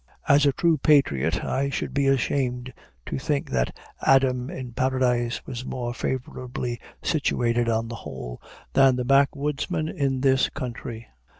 As a true patriot, I should be ashamed to think that Adam in paradise was more favorably situated on the whole than the backwoodsman in this country.